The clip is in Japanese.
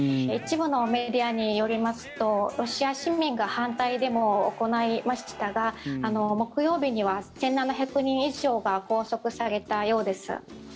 一部のメディアによりますとロシア市民が反対デモを行いましたが木曜日には１７００人以上が拘束されたようです。